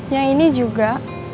yang ini juga